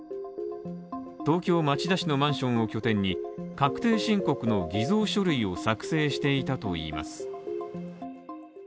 東京・町田市のマンションを拠点に確定申告の偽造書類を作成していたといいます。